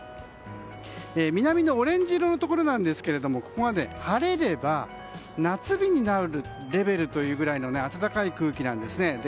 南のオレンジ色のところなんですがここまで晴れれば夏日になるレベルというくらいの暖かい空気なんですね。